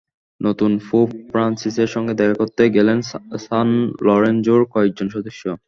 নতুন পোপ ফ্রান্সিসের সঙ্গে দেখা করতে গেলেন সান লরেঞ্জোর কয়েকজন সদস্য।